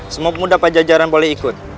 semua pemuda pajajaran boleh ikut